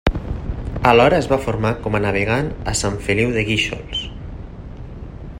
Alhora es va formar com a navegant a Sant Feliu de Guíxols.